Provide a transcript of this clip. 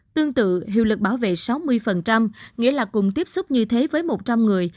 tương tự hiệu lực bảo vệ sáu mươi nghĩa là cùng tiếp xúc như thế với một trăm linh người